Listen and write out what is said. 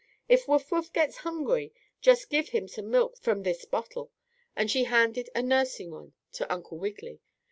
If Wuff Wuff gets hungry, just give him some milk from this bottle," and she handed a nursing one to Uncle Wiggily.